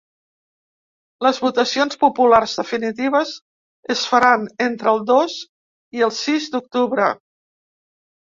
Les votacions populars definitives es faran entre el dos i el sis d’octubre.